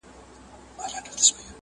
o غلبېل کوزې ته وايي، سورۍ٫